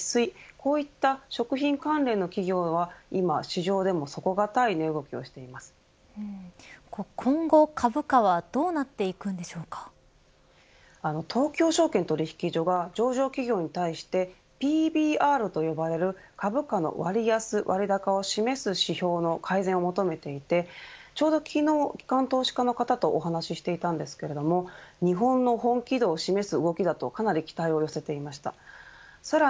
こういった食品関連の企業は今、市場でも底堅い今後、株価は東京証券取引所は上場企業に対してＰＢＲと呼ばれる株価の割安、割高を示す指標の改善を求めていてちょうど昨日機関投資家の方とお話していましたが日本の法規、どう示す動きだとかなり期待をしていました。